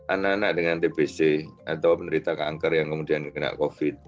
anak anak dengan tbc atau penerita kanker yang kemudian kena covid sembilan belas